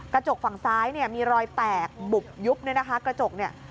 กระจกฝั่งซ้ายเนี่ยมีรอยแตกบุบยุบเนี่ยนะคะกระจกเนี่ย